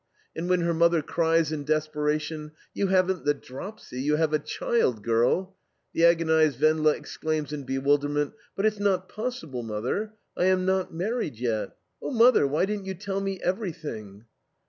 And when her mother cries in desperation, "You haven't the dropsy, you have a child, girl," the agonized Wendla exclaims in bewilderment: "But it's not possible, Mother, I am not married yet.... Oh, Mother, why didn't you tell me everything?"